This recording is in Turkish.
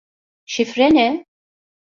Şifre ne?